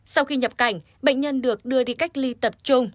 sau khi nhập cảnh bệnh nhân được đưa đi cách ly tập trung